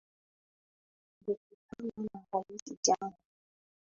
Tulikutana na rais jana